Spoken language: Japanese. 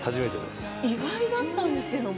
意外だったんですけど。